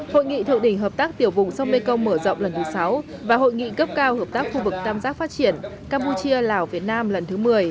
hội nghị thượng đỉnh hợp tác tiểu vùng sông mekong mở rộng lần thứ sáu và hội nghị cấp cao hợp tác khu vực tam giác phát triển campuchia lào việt nam lần thứ một mươi